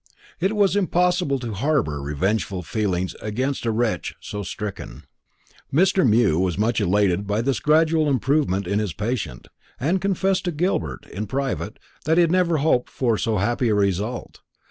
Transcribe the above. It was impossible to harbour revengeful feelings against a wretch so stricken. Mr. Mew was much elated by this gradual improvement in his patient, and confessed to Gilbert, in private, that he had never hoped for so happy a result.